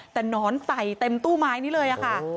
แต่หนอนใส่เต็มตู้ไม้นี้เลยค่ะ